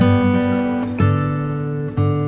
terima kasih ya mas